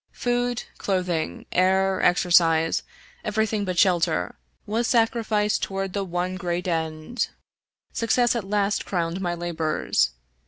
Food, clothing, air, exercise, every thing but shelter, was sacrificed toward the one gpreat end. Success at last crowned my labors.